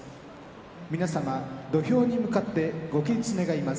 皆さん、土俵に向かってご起立願います。